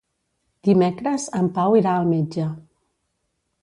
Dimecres en Pau irà al metge.